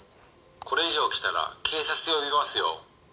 これ以上来たら警察呼びますよ。